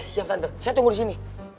siap kantor saya tunggu di sini